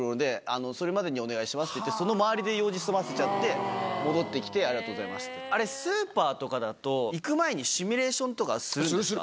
その周りで用事済ませちゃって戻ってきて「ありがとうございます」ってあれスーパーとかだと行く前にシミュレーションとかするんですか？